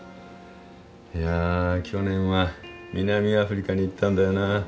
いや去年は南アフリカに行ったんだよな。